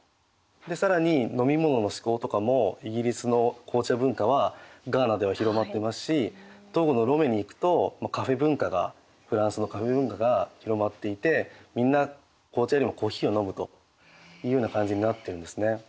更に飲み物のしこうとかもイギリスの紅茶文化はガーナでは広まってますしトーゴのロメに行くとカフェ文化がフランスのカフェ文化が広まっていてみんな紅茶よりもコーヒーを飲むというような感じになってるんですね。